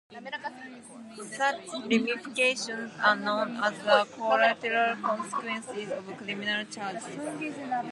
Such ramifications are known as the collateral consequences of criminal charges.